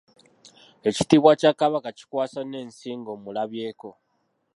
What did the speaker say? Ekitiibwa kya Kabaka kikwasa n’ensisi ng’omulabyeko.